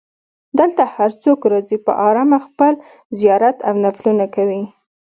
دلته هر څوک راځي په ارامه خپل زیارت او نفلونه کوي.